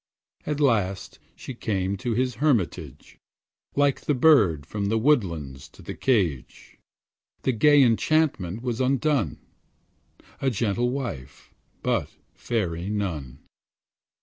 At last she came to his hermitage, Like the bird from the woodlands to the cage; The gay enchantment was undone, A gentle wife, but fairy none.